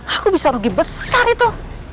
aku bisa rugi besar itu